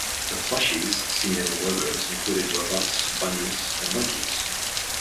The plushies seen in the logos included robots, bunnies, and monkeys.